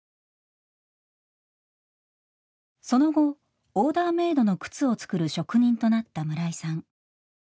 その後オーダーメイドの靴を作る職人となった村井さん。